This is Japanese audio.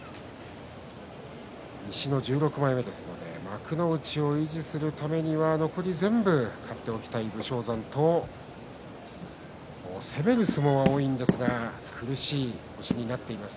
西の１６枚目ですので幕内を維持するためには残り全部勝っておきたい武将山と攻める相撲は多いんですが苦しい星になっています